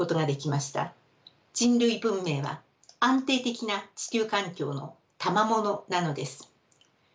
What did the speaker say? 人類文明は安定的な地球環境のたまものなのです。